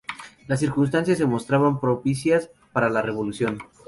Las circunstancias se mostraban propicias para la revolución.